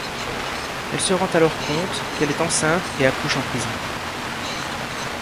Elle se rend alors compte qu'elle est enceinte et accouche en prison.